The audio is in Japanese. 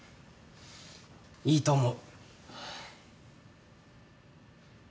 いいと思う。